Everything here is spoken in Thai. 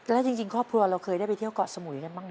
แล้วจริงครอบครัวเราเคยได้ไปเที่ยวเกาะสมุยกันบ้างไหม